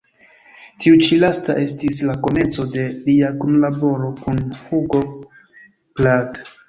Tiu ĉi lasta estis la komenco de lia kunlaboro kun Hugo Pratt.